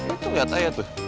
itu lihat aja tuh